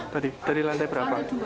dari lantai dua